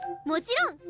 もちろん！